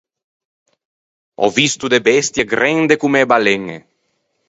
Ò visto de bestie grende comme e baleñe.